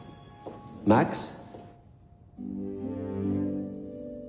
マックス？